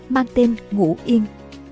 mang tên ngũ yên